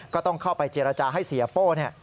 ก็ต้องเข้าไปเจรจาให้เสียโป้เนี่ย